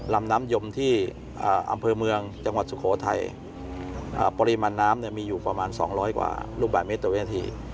ลำน้ำยมที่อำเภอเมืองจังหวัดสุโขทัยปริมาณน้ำมีอยู่ประมาณ๒๐๐กว่าลูกบาทเมตรต่อวินาที